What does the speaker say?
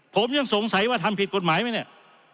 ผมยังสงสัยว่าทำผิดกฎหมายไหมเนี่ย